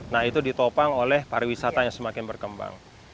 nah itu ditopang oleh pariwisata yang semakin berkembang